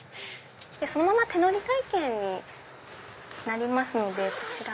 そのまま手のり体験になりますこちら。